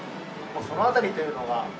その辺りというのが。